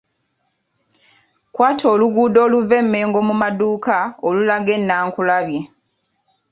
Kwata oluguudo oluva e Mmengo mu maduuka olulaga e Naakulabye.